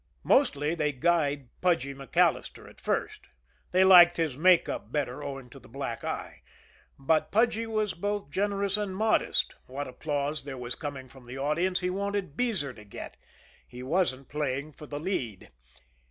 Mostly, they guyed Pudgy MacAllister at first; they liked his make up better owing to the black eye. But Pudgy was both generous and modest; what applause there was coming from the audience he wanted Beezer to get he wasn't playing the "lead."